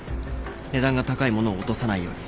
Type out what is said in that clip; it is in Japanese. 値段が高い物を落とさないように。